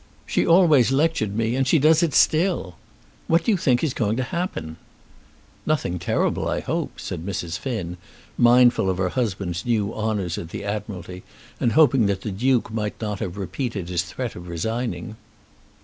She always lectured me, and she does it still. What do you think is going to happen?" "Nothing terrible, I hope," said Mrs. Finn, mindful of her husband's new honours at the Admiralty, and hoping that the Duke might not have repeated his threat of resigning.